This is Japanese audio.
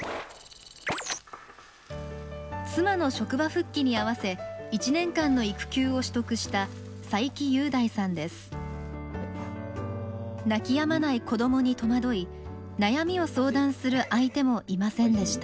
妻の職場復帰にあわせ１年間の育休を取得した泣きやまない子どもに戸惑い悩みを相談する相手もいませんでした。